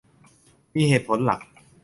มีเหตุผลหลัก